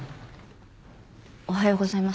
おはようございます。